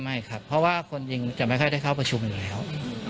ไม่ครับเพราะว่าคนยิงจะไม่ค่อยได้เข้าประชุมอยู่แล้ว